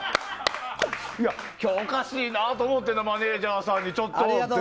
今日おかしいなと思っててマネジャーさんにちょっとって。